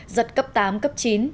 giật cấp tám cấp chín